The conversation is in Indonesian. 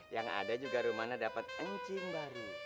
yang ada juga rumahnya dapat encing baru